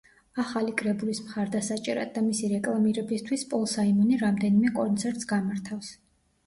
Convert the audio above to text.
ახალი კრებულის მხარდასაჭერად და მისი რეკლამირებისთვის პოლ საიმონი რამდენიმე კონცერტს გამართავს.